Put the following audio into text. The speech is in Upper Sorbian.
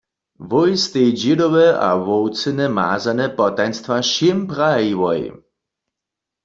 Wój stej dźědowe a wowcyne mazane potajnstwa wšěm prajiłoj.